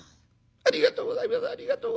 ありがとうございます。